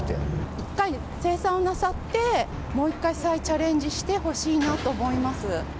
一回清算なさって、もう一回再チャレンジしてほしいなと思い